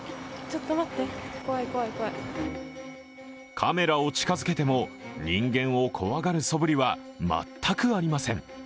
カメラを近づけても、人間を怖がるそぶりは全くありません。